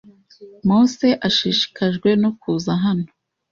Mose ashishikajwe no kuza hano.